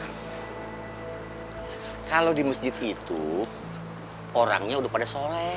hai kalau di masjid itu orangnya udah pada soleh